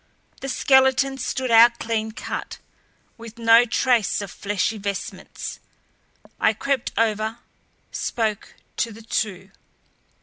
The skeletons stood out clean cut, with no trace of fleshly vestments. I crept over, spoke to the two.